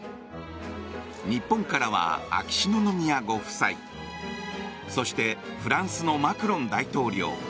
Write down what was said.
日本からは秋篠宮ご夫妻そしてフランスのマクロン大統領